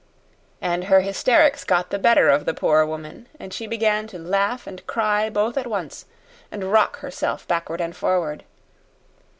And her hysterics got the better of the poor woman, and she began to laugh and cry both at once, and rock herself backward and forward.